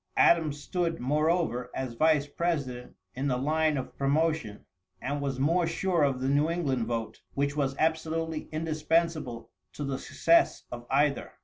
Adams stood, moreover, as vice president, in the line of promotion, and was more sure of the New England vote, which was absolutely indispensible to the success of either.